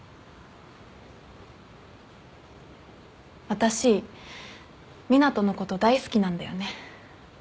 私湊斗のこと大好きなんだよね。